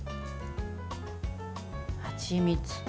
はちみつ。